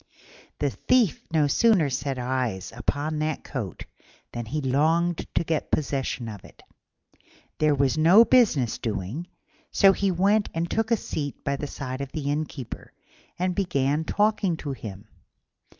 The Thief no sooner set eyes upon the coat than he longed to get possession of it. There was no business doing, so he went and took a seat by the side of the Innkeeper, and began talking to him.